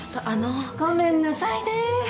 ごめんなさいね。